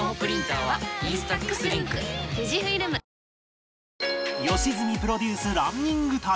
そして良純プロデュースランニング旅